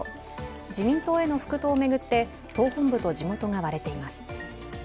自民党への復党を巡って党本部と地元が割れています。